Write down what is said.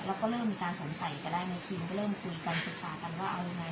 แล้วก็เริ่มมีการสงสัยกันแล้วในทีมก็เริ่มคุยกันศึกษากันว่าเอายังไง